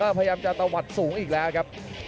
พยายามจะตะวัดสูงอีกแล้วครับ